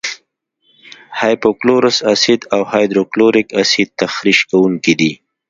هایپو کلورس اسید او هایدروکلوریک اسید تخریش کوونکي دي.